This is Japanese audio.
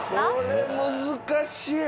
これ難しい！